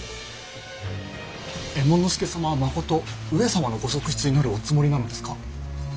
右衛門佐様はまこと上様のご側室になるおつもりなのですか？